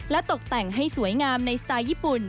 ตกแต่งให้สวยงามในสไตล์ญี่ปุ่น